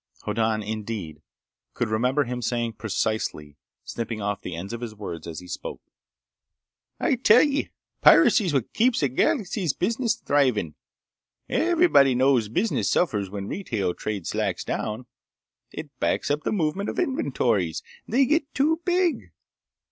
Hoddan, indeed, could remember him saying precisely, snipping off the ends of his words as he spoke: "I tell y', piracy's what keeps the galaxy's business thriving! Everybody knows business suffers when retail trade slacks down. It backs up the movement of inventories. They get too big.